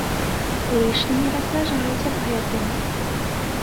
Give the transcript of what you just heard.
Лішне не разважаюць аб гэтым.